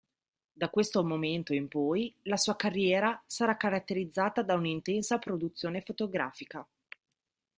Da questo momento in poi la sua carriera sarà caratterizzata da un'intensa produzione fotografica.